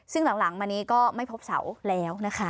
ซึ่งหลังมานี้ก็ไม่พบเสาแล้วนะคะ